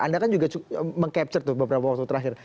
anda kan juga mengcapture tuh beberapa waktu terakhir